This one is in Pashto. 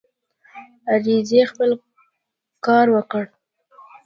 عریضې خپل کار وکړ.